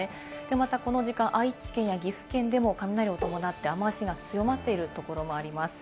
またこの時間、愛知県や岐阜県でも雷を伴って雨脚が強まっているところもあります。